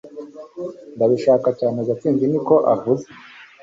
ndabishaka cyane gatsinzi niko avuze